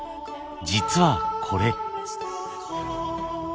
実はこれ。